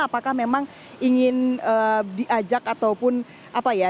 apakah memang ingin diajak ataupun apa ya